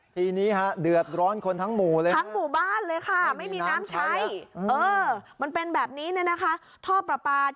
ทีนี้ค่ะเดือดร้อนคนทั้งหมู่เลยค่ะ